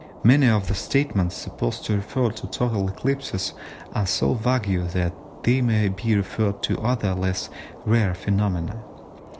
Many of the statements supposed to refer to total eclipses are so vague that they may be referred to other less rare phenomena.